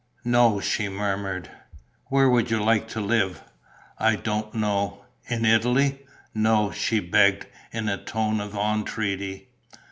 "No," she murmured. "Where would you like to live?" "I don't know...." "In Italy?" "No," she begged, in a tone of entreaty.